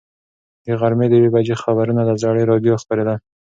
د غرمې د یوې بجې خبرونه له زړې راډیو خپرېدل.